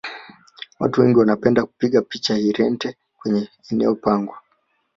watu wengi wanapenda kupiga picha irente kwenye eneo pango